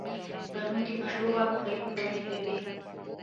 قانون د مشروع واک تعریف وړاندې کوي.